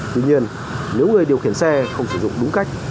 tuy nhiên nếu người điều khiển xe không sử dụng đúng cách